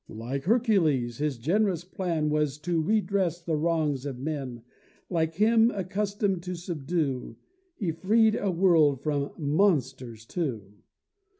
Like Hercules, his generous plan Was to redress the wrongs of men; Like him, accustom'd to subdue, He freed a world from monsters too.